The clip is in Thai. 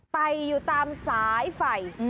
ไตอยู่ตามสายไฟ